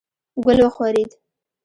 ګل وښورېد.